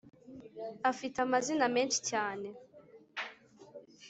Afite amazina menshi cyane